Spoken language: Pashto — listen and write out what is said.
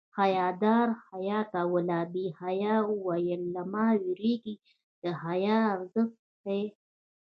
حیادار حیا کوله بې حیا ویل له ما وېرېږي د حیا ارزښت ښيي